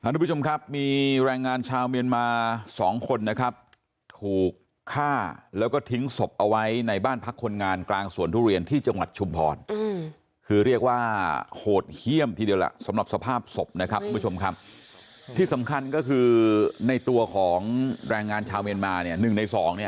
ทุกผู้ชมครับมีแรงงานชาวเมียนมาสองคนนะครับถูกฆ่าแล้วก็ทิ้งศพเอาไว้ในบ้านพักคนงานกลางสวนทุเรียนที่จังหวัดชุมพรคือเรียกว่าโหดเยี่ยมทีเดียวล่ะสำหรับสภาพศพนะครับทุกผู้ชมครับที่สำคัญก็คือในตัวของแรงงานชาวเมียนมาเนี่ยหนึ่งในสองเนี่ย